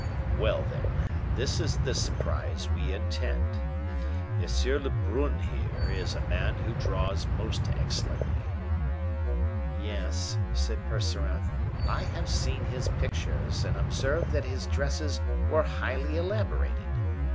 "Well, then; this is the surprise we intend. M. Lebrun here is a man who draws most excellently." "Yes," said Percerin; "I have seen his pictures, and observed that his dresses were highly elaborated.